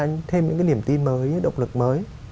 những cái niềm tin mới động lực mới